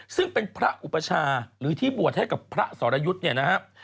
ซึ่งเป็นพระอุปชาหรือที่บวชให้กับพระสรยุทธ์เนี่ยนะครับ